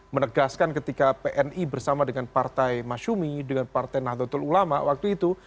menegaskan ketika pni bersama dengan partai masyumi dengan partai nahdlatul ulama waktu itu